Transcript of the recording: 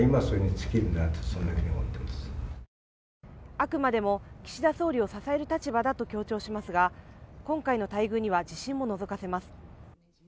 あくまでも岸田総理を支える立場だと強調しますが、今回の待遇には自信ものぞかせます。